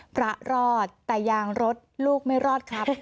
รอดแต่ยางรถลูกไม่รอดครับ